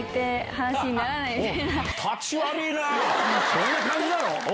そんな感じなの？